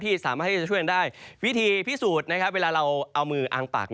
ที่สามารถให้ช่วยกันได้วิธีพิสูจน์นะครับเวลาเราเอามืออ้างปาก